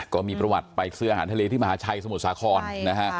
ก็มีประวัติไปซื้ออาหารทะเลที่มหาชัยสมุทรสาครนะฮะ